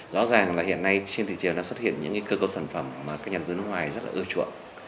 rõ ràng là hiện nay trên thị trường đã xuất hiện những cơ cấu sản phẩm mà các nhà đầu tư nước ngoài rất là ưa chuộng